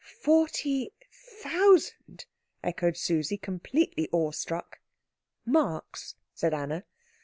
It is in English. "Forty thousand!" echoed Susie, completely awestruck. "Marks," said Anna.